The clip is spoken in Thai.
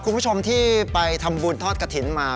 คุณผู้ชมที่ไปทำบุญทอดกระถิ่นมา